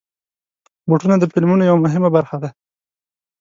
بوټونه د فلمونو یوه مهمه برخه ده.